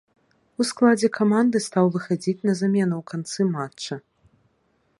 У складзе каманды стаў выхадзіць на замену ў канцы матча.